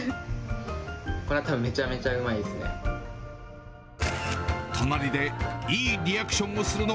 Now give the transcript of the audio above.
これはたぶんめちゃめちゃうまいですね。